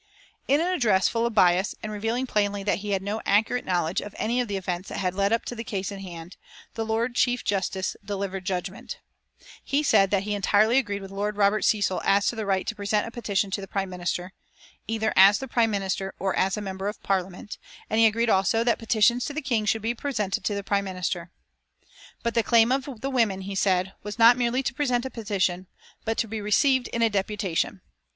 In an address full of bias, and revealing plainly that he had no accurate knowledge of any of the events that had led up to the case in hand, the Lord Chief Justice delivered judgment. He said that he entirely agreed with Lord Robert Cecil as to the right to present a petition to the Prime Minister, either as Prime Minister or as a Member of Parliament; and he agreed also that petitions to the King should be presented to the Prime Minister. But the claim of the women, he said, was not merely to present a petition, but to be received in a deputation.